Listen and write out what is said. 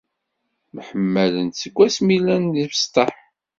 Myeḥmalen seg wasmi llan d ibesṭaḥ